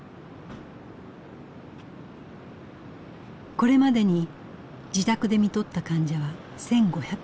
これまでに自宅で看取った患者は１，５００人余り。